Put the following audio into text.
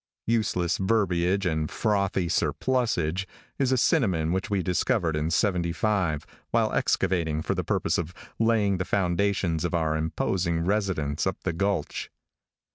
"Useless verbiage and frothy surplusage" is a synonym which we discovered in '75, while excavating for the purpose of laying the foundations of our imposing residence up the gulch.